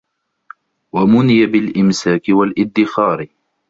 وَمُنِيَ بِالْإِمْسَاكِ وَالِادِّخَارِ